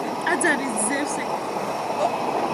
ტაძარი ზევსს ეკუთვნოდა.